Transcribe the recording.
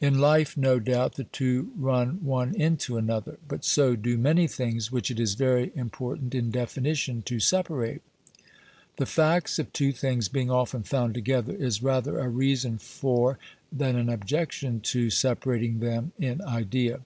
In life, no doubt, the two run one into another. But so do many things which it is very important in definition to separate. The facts of two things being often found together is rather a reason for, than an objection to, separating them, in idea.